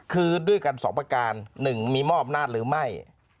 คือด้วยกัน๒ประการหนึ่งมีมอบน่าหรือไม่